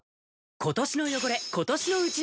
今年の汚れ、今年のうちに。